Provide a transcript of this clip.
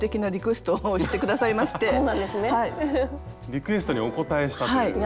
リクエストにお応えしたという。